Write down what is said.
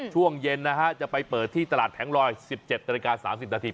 ช่วงเย็นนะฮะจะไปเปิดที่ตลาดแผงลอย๑๗นาฬิกา๓๐นาที